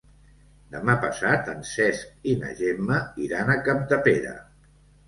Demà passat en Cesc i na Gemma iran a Capdepera.